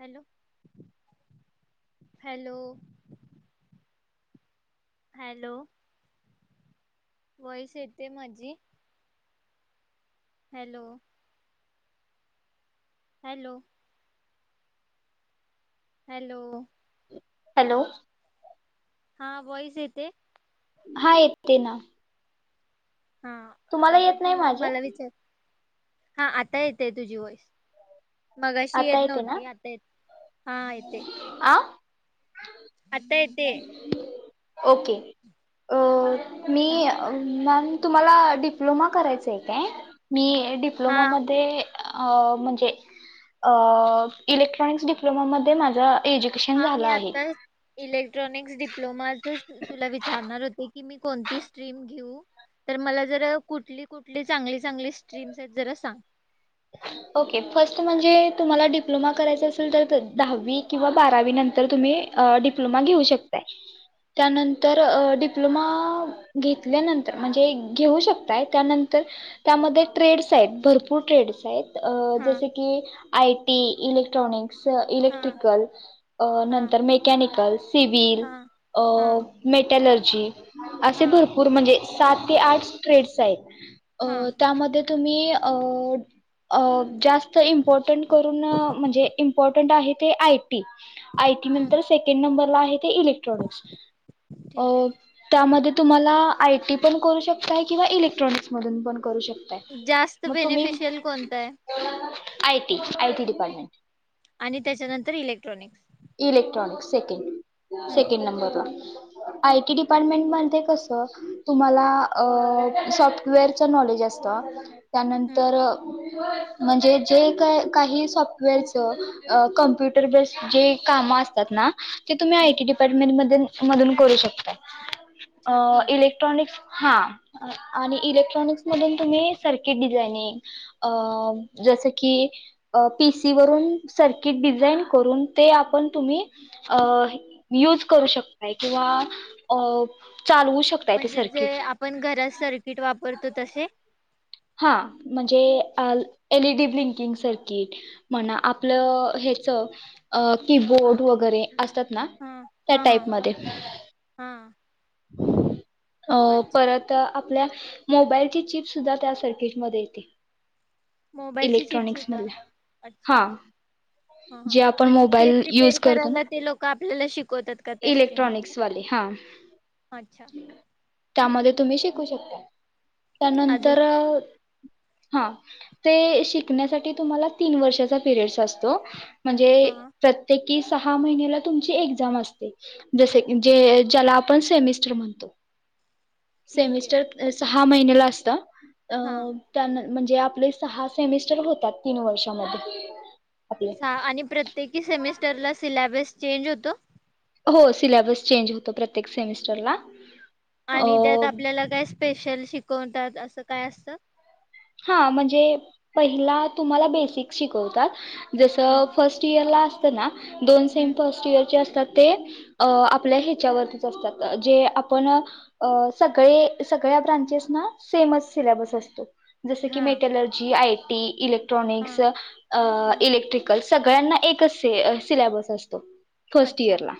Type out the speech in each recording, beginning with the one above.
Hello hello hello voice येते माझी hello hello hello hello हा व्हॉइस येते. हा येते ना हा तुम्हाला अगं येत तू नाही माझे मला विचार हा आता येतंय तुझी व्हॉइस मगाशी आता येत येते ना नव्हती आता येतं हा येते. आ आता येते. ओके अ अ मी हा अ मॅम तुम्हाला डिप्लोमा करायचाय काय मी हा डिप्लोमामध्ये अ अ म्हणजे अ अ इलेक्ट्रॉनिक्स डिप्लोमामध्ये माझा एज्युकेशन झालं आहे. क्ट्रॉनिक डिप्लोमा तेच तुला विचारणार होते की मी कोणती स्ट्रीम घेऊ. तर मला जर कुठली कुठली चांगली चांगली स्ट्रीम्स आहेत जरा सांग. ओके फर्स्ट म्हणजे तुम्हाला डिप्लोमा करायचा असेल तर, दहावी किंवा बारावी नंतर तुम्ही अ डिप्लोमा घेऊ शकताय. त्यानंतर अ डिप्लोमा घेतल्यानंतर म्हणजे घेऊ शकताय. त्यानंतर त्यामध्ये ट्रेड्स आहेत भरपूर ट्रेड्स शाळेत अ हा जस की आय टी इलेक्ट्रॉनिक् स हा इक्ट्रिकल अ हा नंतर मेकॅनिकल सिविल हा अ हा मेट एलर्जी. असे हा भरपूर म्हणजे सात ते आठ, ट्रेडस् आहेत. अ हा त्यामध्ये तुम्ही अ अ जास्त इंपॉर्टन्ट करून म्हणजे इंपॉर्टन्ट आहे. ते आयटी, आयटी हम्म नंतर सेकंड नंबरला आहे. ते इलेक्ट्रॉनिक्स अ ठीक आहे त्यामध्ये तुम्हाला आय टी पण करू शकताय, किंवा इलेक्ट्रॉनिक्स मधून पण करू शकताय. जास्त मग तुम्ही बेनिफिशियल कोण [inaudible] I T, I T department आणि त्याच्यानंतर इलेक्ट्रॉनिक्स. इलेक्ट्रॉनिक् सेकेंड हम्म. सेकंड नंबरला. आय टी डिपार्टमेंटमध्ये कसं तुम्हाला सॉफ्टवेअरच नॉलेज असतं. हम्म त्यानंतर म्हणजे जे का काही सॉफ्टवेअरच, कमप्युटर बेस्ड जे काम असतात. ना ते तुम्ही आय हम्म. टी टिपार्टमेंटमध्ये मधून करू शकताय. अ अच्छा ठीक आहे इलेक्ट्रॉनिक्स हा आणि इलेक्ट्रॉनिक्स मधून, तुम्ही सर्किट डिझाइनिंग जस की, पीसी वरून सर्किट डिझाईन करून ते आप पण तुम्ही युज करू शकताय. किंवा अ चालवू शकताय ते म्हणजे जे सर्किट आपण घरात सर्किट वापरतो. तसे? हा म्हणजे एलईडी ब्लिंकिंग सर्किट, म्हणा आपलं हेच कीबोर्ड वगैरे असतात. ना हा त्या हा हा टाईपमध्ये. हा अ अच्छा परत आपल्या मोबाईल ची चिप सुद्धा सर्कीटमध्ये येते. मोबाईलची इलेक्ट्रॉनिक्स चिप्ससुधा मधल्या अच्छा, हा हा हा जे आपण म्हणजे ते मोबाईल प्रिपेर करायला. ते लोक आप आपल्याला शिक इलेक्ट्रनिक्सवाले हा. अच्छा त्यामध्ये तुम्ही शि शिकु शकताय. अजून त्यानंतर काय हा ते शिकण्यासाठी तुम्हाला तीन वर्षाचा पिरियड्स असतो. म्हणजे हा प्रत्येक कि सहा महिन्याला तुमची एक्झाम अस जसे जे ज्याला आपण सेमिस्टर म्हणतो. ठीक आहे सेमिस्टर सहा महिन्याला असत अ हा त्यान म्हणजे आपले सहा सेमिस्टर होतात तीन वर्षामध्ये. आपले सा आणि प्रत्येकी सेमेस्टरला सिल्याबस चेंज होतो? हो सिल्याबस चेंज होतो प्रत्येक सेमिस्टरला. आणि त्यात अ आपल्याला काय स्पेशल शिक कोणतात असं काय असतं? हा म्हणजे पहिला तुम्हाला बेसिक शिकवतात जसं हम्म फर्स्ट इयर ला असत ना दोन सेम हम्म फर्स्ट इयरचे असतात. ते आपल्या ह्याच्यावरतीच असतात जे आपण सगळे सगळ्या ब्रांचेस ना सेमच सिलेबस असतो. जस की हा मेट्यालर्जी आय टी ईलेक हा ट्रोनिक्स हा इलेक्ट्रिकल सगळ्यांना एकच सिल्याबस असतो. फर्स्ट अच्छा इयर ला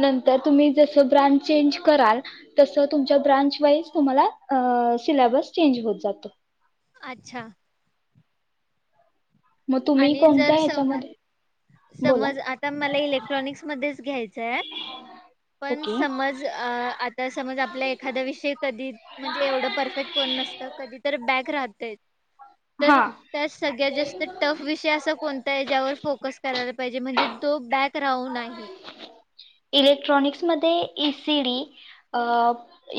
नंत तर तुम्ही जस ब्रांच चेंज कराल तसं तुमच्या ब्रांच वाईज तुम्हाला अ सिल्याबस चेंज होत जा अच्छा मग तुम्ही आणि कोणत्या जर सम ह्याच्यामध्ये बोला समज आता मला इलेक्ट्रॉनिकस मध्येच घ्यायचय पण ओके समज आता समज आपल्या एखा्दया विषय कधी म्हणजे एवढ परफेक्ट कोण नसत कधी बॅ राहतयच. हा तर त्यात सगळ्यात जास्त ते अस कोणत्या हेच्यावर फोकस करायला पाहिजे म्हणजे तो बॅक राऊ नाही? इलेक्ट्रॉनिक्समध्ये E C D,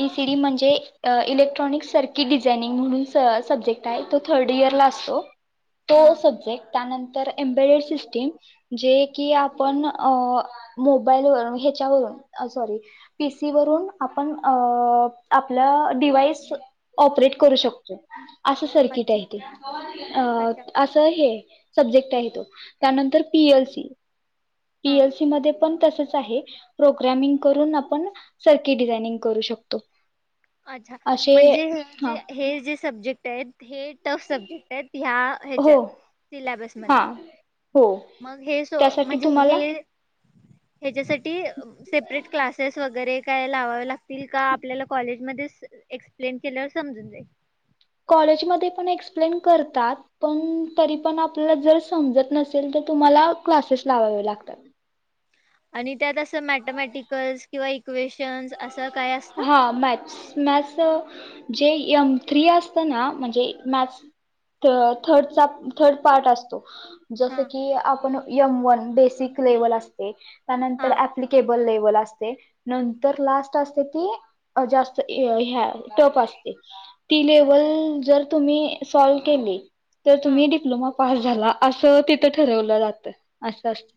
E C D म्हणजे इलेक्ट्रॉनिक्स सर्कि डिझायनिंग म्हणून स सब्जेक्ट आहे. तो थर्ड इयर ह ला असतो, तो हा सब्जेक्ट त्यानंतर embedded system जे की आपण अ मोबाईलवर ह्याच्यावरून सॉरी पी सी वरून आपण आ आपला डिवाइस ऑपरेट करू शकतो. असं सर्किट अच्छा आहे ते. अ अच्छा असं हे, सब्जेक्ट आहे तो त्यानंतर पीएल सी पी हा ओ सी मध्ये पण तसंच आहे प्रोग्रमिंग करून आपण सारखी डिझानिंग करू शकतो. अच्छा असे म्हणजेे हे हा जे हे दिसत सब्जेक्ट आहेत. हे सब्जेक्ट आहेत ह्या ह्याच्यात हो सिल्याबस हा मध्ये. हो मग हे स त्यासाठी म्हणजे तुम्हाला हे हेच्या साठी ही सेपरेट क्लासेस वगैरे काय लावावे लागतील का आपल्याला कॉलेज मध्ये एक्सप्लेन केल्यावर समजून जाईल कॉलेजमध्ये पण एक्सप्लेन करतात, पण तरी पण आपला जर समजतं नसेल तर तुम्हाला क्लासेस लावावे लागतात. आणि त्यात असं मॅथेमॅटिकल्स किंवा इक्वेशन्स असा हा, मॅथ्स मॅथ्स अ जे एम थ्री असतं ना, म्हणजे मॅथ्सचा थर्डचा थर्ड पार्ट असतो. जसं हा की आपण यम बेसिक लेवल असते. त्यानंतर अऍप्लिकेबल एप्लीकेबल असते. नंतर लास्ट असते. ते जास्त ह्या टप असते. ती अच्छा. लेवल जर तुम्ही सॉल्व केली, तर हा तुम्ही डिप्लोमा पास झाला असं तिथं ठरवलं जातं असं असतं.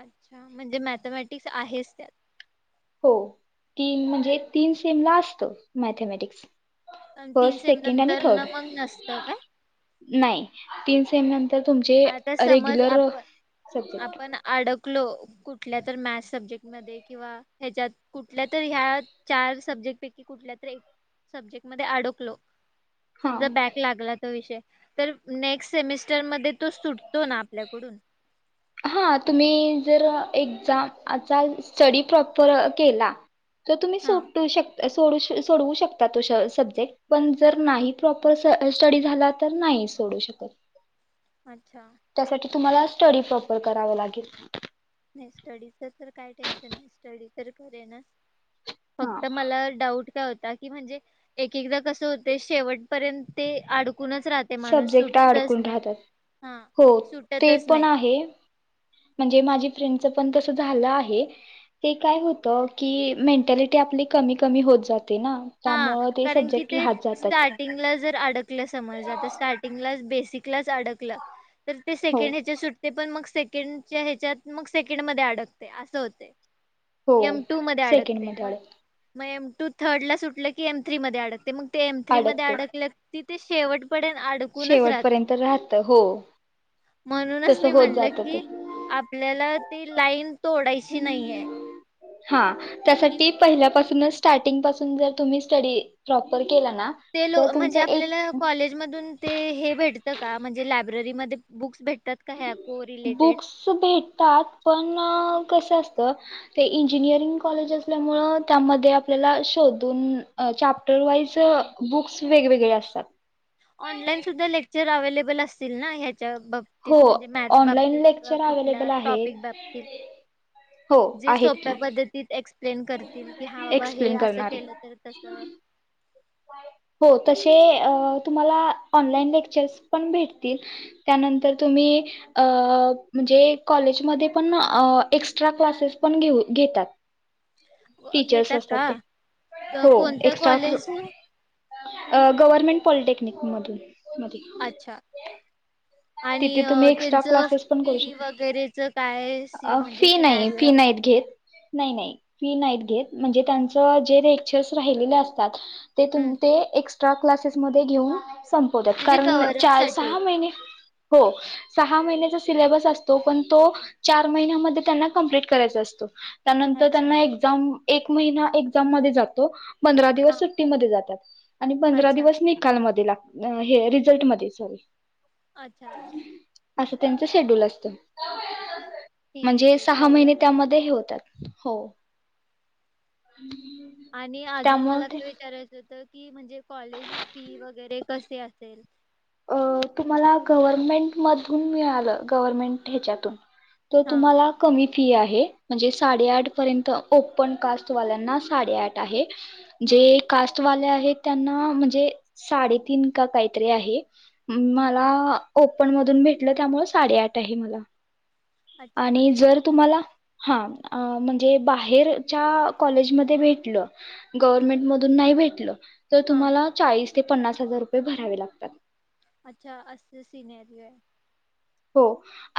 अच्छा, म्हणजे मॅथमॅटिक्स आहेच त्यात हो तीन म्हणजे तीन सेमला असतं मॅथमॅटिक्स. पण तीन फर्स्ट से सेकंड आणि नंतर न थर्ड मग नसतं काय नाही तीन सेमी तर तुमचे आता समज रेग्युलर सब्जेक्ट लो कुठल्या तर मॅथ्स सब्जेक्ट मध्ये किंवा, ह्याच्यात कुठल्या तर ह्या चार सब्जेक्ट पैकी कुठल्या तर एक सबजेक्ट मध्ये अडकलो. हां समजा बॅक लागला तो विषय तर नेक्स्ट सेमीस्टर मध्ये तो सुटतो ना आपल्याकडून हा तुम्ही जर एक्झाम, आचा स्टडी प्रॉपर अ केला. त तुम्ही हा सुटू शक सोडू श सोडवू शकता तो सब्जेक्ट, पण जर नाही प्रॉपर स स्टडी झाला, तर नाही सोडू शकत. अच्छा. त्यासाठी तुम्हाला स्टडी पप पण करावं लागेल? स्टडीच, तर काय टेन्शन नाही स्टडी खर हे ना. हा त मला डाऊट काय होत. का की म्हणजे एकेकदा कसं होतय, शेवट पर्यंत ते आडक सब्जेक्ट आडकून राहतात, हा हो ते सुटतच पण नाही आहे म्हणजे माझी फ्रेंड तीच पण तस झालं आहे. ते काय होत की मेंटॅलिटी आपली कमी, कमी होत जात ते ना हा त्यामुळ ते कारण सब्जेक्ट राहत जातात. कल समज आता स्टार्टिंगलाच, बेसिकलाच. अडकल तर ते हो सेकेंडहेच्या सुट्टीत पण मग सेकंडच्या ह्याच्यात, मग सेकंड मध्ये अडकतय, असं होतय. हो एम टू मध्ये अडकतंय, सेकंडमध्ये मग अडक मग एम तू थर्ड ला सुट म्हणलं की एम थ्री मध्ये अडकतय मग ते एमथ्री मध्ये अडकते अडकल. ती ते शेवट शेवटपर्यंत राहतं हो! म्हणूनच तसं मी होत म्हनलं जातं ते की आपल्याला ती लाईन तोडायशी नाहीय. हा! त्यासाठी पहिल्यापासू् न स्टार्टिंग पासून जर तुम्ही, स्टडी प्रॉपर केला ना केल तर म्हणजे तुमचा एक आपल्याला कॉलेजमधून, ते हे भेटत का म्हणजे लॅब ब्ररीमध्ये बुक्स भेट बुक्स भेटतात पण कसं असत ते इंजिनियरिंग कॉलेज, असल्यामुळे त्यामध्ये आपल्याला शोधून चाप्टर वाईज बुक्स वेगवेगळे असतात. ऑनलाईन सुद्धा लेक्चर अवेलेबल असतील ना ह्या च्या बाबतीत हो म्हणजे मॅथ ऑनलाईन बाबतीत किंवा लेक्चर कुठल्या अवेलेबल आहेत टाॅपीक बाबतीत हो जे आहेत की सोप्यापद्धतीत एक्स प्लेन करतील की हा बाबा हे एक्सप्लेन असं करणारे केलं तर तसं हो तशे तुम्हाला ऑनलाईन लेक्चर्स पण भेटतील, त्यानंतर तुम्ही अ म्हणजे कॉलेजमध्ये पण अ एक्ट्रा क्लासेस पण घेऊ‌‌ घेतात. व अ टीचर्स घेतात असतात ते का? कोणत्या कॉलेजून? अ गव्हर्नमेंट पॉलिटेक्निक मधून. अच्छा [unintelligible] आणि तुम्ही अ एक्स्ट्रा तेंचं क्लासेस पण करू फी शकता. वगैरेच काय स म्हणजे फी नाही फी सिनारीओ नाहीत घेत नाही नाही फी नाहीत घेत, म्हणजे त्यांच जे लेक्चर्स राहिलेले असतात ते हम्म. तुम ते एक्स एस्ट्रा क्लासेसमध्ये घेऊन संपवतात म्हणजे कारण कव्हरअप चार साठी सहा महिने हो सहा महिन्याचा सिलेबस असतो. पण तो चार महिन्यामध्ये त्यांना कंप्लीट करायचा असतो. त्यानंतर अच्छा त्यांना एक्झाम एक महिना एक्झाम मध्ये जातो. पंधरा दिवस हा सुट्टीमध्ये जातात. आणि पंधरा अच्छा दिवस निकाल मध्ये ला अ हे रिझल्टमध्ये सॉरी. अच्छा. अच्छा. त्यांच शेड्यूल असत. म्हणजे ठीक आहे सहा कळलं महिने मला त्यामध्ये हे होतात. हो. आणि अजून त्यामुळे मला ते काय विचारायचं त की म्हणजे. कॉलेज फी वगैरे. कसे असेल? अ तुम्हाला गव्हर्मेंटमधून मिळालं, गव्हर्मेंट ह्याच्यातून. तो हा तुम्हाला कमी फी आहे. म्हणजे साडेआठ पर्यंत ओपन कास्टवाल्यांना साडेआठ आहे. जे हा कास्टवाले आह हे त्यांना म्हणजे साडेतीन का काहीतरी आहे. मला ओ पण मधून भेटलं, त्यामुळे साडेआठ आहे मला. अच्छा आणि असं जर आहे का तुम्हाला हा. अ म्हणजे बाहेरच्या कॉलेजमध्ये भेटलं, गव्हर्मेंट मधून नाही भेटलं तर हा तुम्हाला चाळीस ते पन्नास हजार रुपये भरावे लागतात. अच्छा अस सिनेरिओ ये. हो.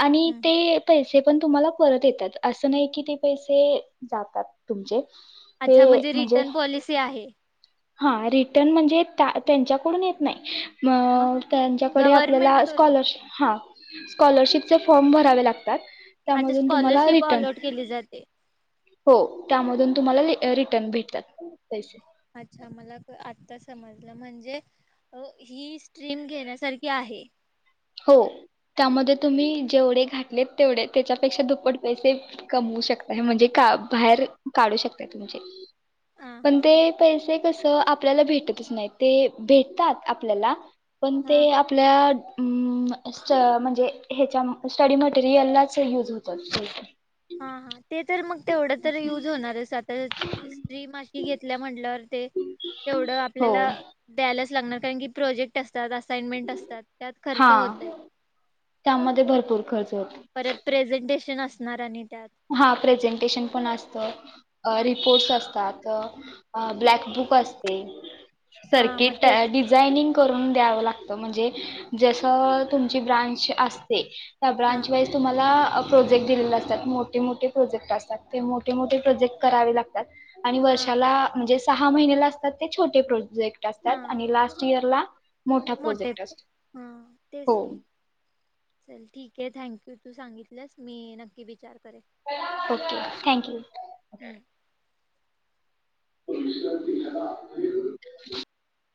आणि ते पैसे पण तुम्हाला परत येतात, असं नाही की ते पैसे जातात तुमचे. अच्छा म्हणजे रिटर्न पॉलिसी आहे. हा रिटर्न म्हणजे त्यांच्याकडून येत नाई मग त्यांच्याकडे गव्हर्मेंट आपल्याला कडून स्कॉलरश हा, स्कॉलरशिपचे फॉर्म भरावे लाग अच्छा त्यामुळे तुम्हाला स्कॉलरशिप रिटन अलॉट केली जाते. हो, त्यामधून तुम्हाला रिटर्न भेटतात पैसे. अच्छा मला आत्ता समजलं म्हणजे ही स्ट्रीम घेण्यासारखी आहे. हो त्यामध्ये तुम्ही जेवढे घातलेत तेवढे त्याच्यापेक्षा दुप्पट पैसे कमवू शकताय. म्हणजे का बाहेर काढू शकताय तुमचे हा पण हा हा ते पैसे कसं आप आपल्याला भेटतच नाहीत, ते भेटतात आपल्याला पण हा ते आपल्या अ स म्हणजे ह्याच्या स्टडी मटेरियललाच युज होतात पैसे. हां हां. ते तर मग तेवढं तर युज होणारच आता थ्री मासी घेतल्या म्हटल्यावर ते तेवढं हो आपल्याला द्यायलाचं लागणार कारण की प्रोजेक्ट अस त्यात असायमेंट असतात त्यात हा खर्च होतय. त्यामध्ये भरपूर खर्च होतो परत प्रेझेंटेशन असणार आणि त्यात हा प्रेझेंटेशन पण असतं. अ रिपोर्ट्स असतात, ब्लॅक बुक असते. हा मग सर्किट तेच डिझायनिंग करून द्याव लागत, म्हणजे जस तुमची ब्रांच असते. त्या हा ब्रांच वाईज तुम्हाला प्रोजेक्ट दिलेले असतात मोठ मोठे-मोठे प्रोजेक्ट असतात, ते मोठे-मोठे प्रोजेक्ट करावे लागतात. आणि हा वर्षाला म्हणजे सहा महिन्याला असतात ते छोटे प्रोजे जेक्ट असतात, हा आणि लास्ट इयर ला मोठे हा तेच हो की चल ठीक आहे थँक यू तू सांगितलंस मी नक्की विचार - ओके थँक यू. हम्म. [unintelligible]